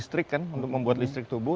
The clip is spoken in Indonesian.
listrik kan untuk membuat listrik tubuh